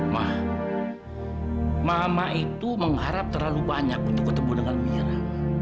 mah mama itu mengharap terlalu banyak untuk ketemu dengan mira